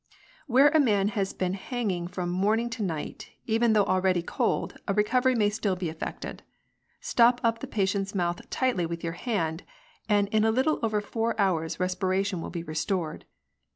" Where a man has been hanging from morning to night, even though already cold, a recovery may still be effected. Stop up the patient's mouth tightly with your hand, and in a little over four hours respiration will be restored.